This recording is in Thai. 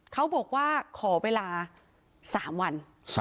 เขาบอกว่าขอเวลา๓วัน